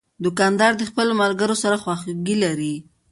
دوکاندار د خپلو ملګرو سره خواخوږي لري.